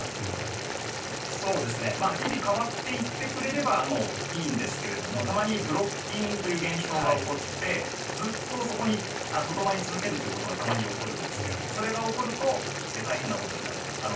日々変わっていってくれればいいんですがたまにブロッキングという現象が起こってずっとそこにとどまり続けることがたまに起こるんですがそれが起こると大変なことになると。